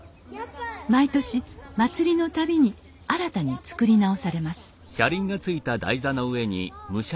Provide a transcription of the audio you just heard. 毎年祭りの度に新たに作り直されます